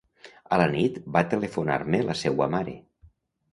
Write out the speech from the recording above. A la nit va telefonar-me la seua mare.